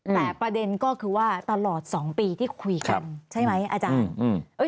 แต่ประเด็นก็คือว่าตลอด๒ปีที่คุยกันใช่ไหมอาจารย์